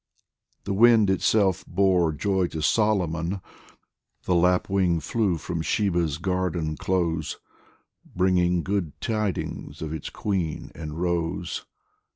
The wind itself bore joy to Solomon ; The Lapwing flew from Sheba's garden close, Bringing good tidings of its queen and rose.